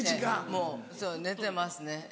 もう寝てますねええ。